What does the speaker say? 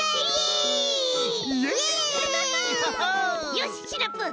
よしシナプー